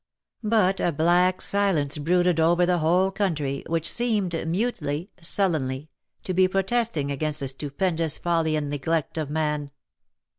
But a black silence brooded over the whole country, which seemed mutely, sullenly, to be protesting against the stupendous folly and neglect of man.